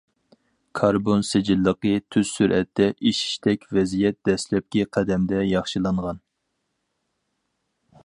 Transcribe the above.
كاربون سىجىللىقى تېز سۈرئەتتە ئېشىشتەك ۋەزىيەت دەسلەپكى قەدەمدە ياخشىلانغان.